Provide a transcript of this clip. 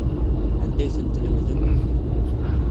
Anda ay tent-tlemdem?